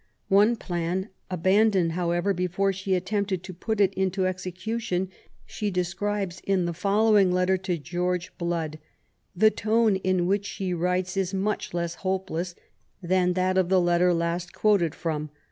One plan^ abandoned, however, before she attempted to put it into execution, she describes in the following letter to LIFE A8 G0VEBNE88. 49 Greorge Blood. The tone in which she writes is much less hopeless than that of the letter last quoted from.